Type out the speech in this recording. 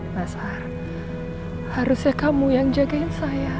basar harusnya kamu yang jagain saya